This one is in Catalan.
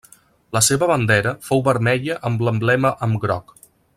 La seva bandera fou vermella amb l'emblema amb groc.